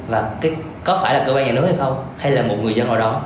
và có phải là cơ quan nhà nước hay không hay là một người dân nào đó